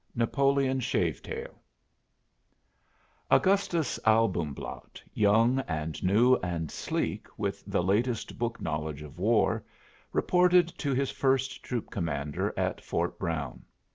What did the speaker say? Napoleon Shave Tail Augustus Albumblatt, young and new and sleek with the latest book knowledge of war, reported to his first troop commander at Fort Brown.